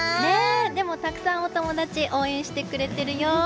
でも、たくさんお友達応援してくれてるよ！